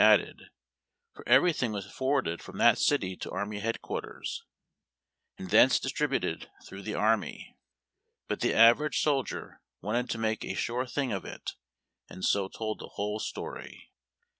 added, for everything was forwarded from that city to army headquarters, and thence distributed through the army. But the average soldier wanted to make a sure thing of it, and so told the whole story.